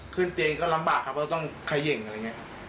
ขึ้นเจียงก็ลำบากครับก็ต้องไข่เหย่งอะไรอย่างนี้